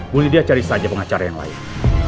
bu lydia cari saja pengacara yang layak